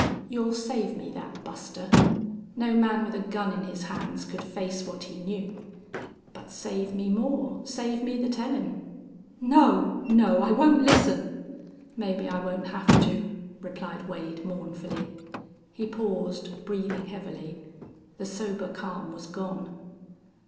You'll save me that, Buster. No man with a gun in his hands could face what he knew.... But save me more. Save me the tellin'!" "No! No! I won't listen!" "Maybe I won't have to," replied Wade, mournfully. He paused, breathing heavily. The sober calm was gone.